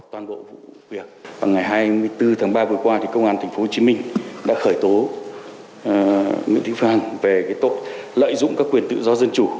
vào ngày hai mươi bốn tháng ba vừa qua công an tp hcm đã khởi tố nguyễn thị phan về lợi dụng các quyền tự do dân chủ